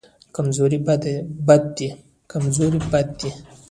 کمزوري بد دی.